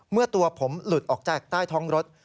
เมื่อตัวผมหลุดออกจากใต้ท้องรถ